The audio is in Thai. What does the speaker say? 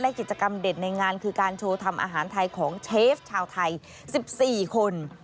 กิจกรรมเด็ดในงานคือการโชว์ทำอาหารไทยของเชฟชาวไทย๑๔คน